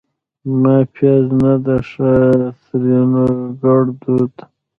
ما پیار نه ده ښه؛ ترينو ګړدود